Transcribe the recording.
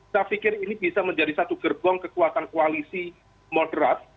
saya pikir ini bisa menjadi satu gerbong kekuatan koalisi moderat